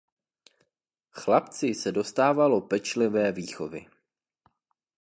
Chlapci se dostalo pečlivé výchovy.